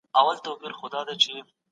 څېړني به لا زیات پرمختګ وکړي.